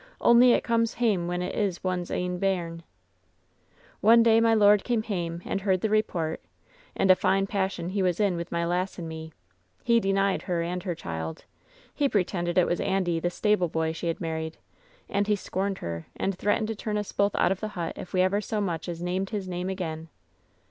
Only it comes hame when it's one's ain bairn. "One day my lord came hame and heard the report, and a fine passion he was in with my lass and me. He denied her and her child. He pretended it was Andy, the stableboy, she had married. And he scorned her, and threatened to turn us both out of the hut if we ever so much as named his name again.